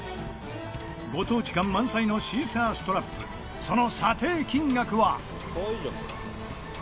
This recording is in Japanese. ご当地感満載のシーサーストラップその査定金額は４００円！